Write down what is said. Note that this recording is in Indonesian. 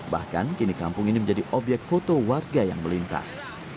bahkan kini kampung ini menjadi obyek foto warga yang melintas